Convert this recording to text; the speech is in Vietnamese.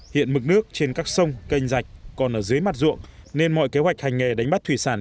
hiện mực nước trên các sông canh rạch còn ở dưới mặt ruộng nên mọi kế hoạch hành nghề đánh bắt thủy sản